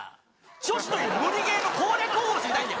女子というムリゲーの攻略本だから、知りたいんだよ。